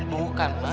hah kandung tipes